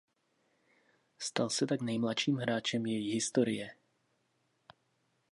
Stal se tak nejmladším hráčem její historie.